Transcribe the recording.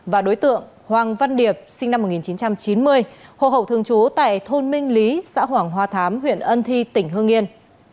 và đối tượng hoàng văn điệp sinh năm một nghìn chín trăm chín mươi hồ hậu thường trú tại thôn minh lý xã hoàng hoa thám huyện ân thi tỉnh hương yên